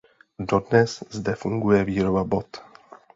Dodnes zde funguje výroba bot.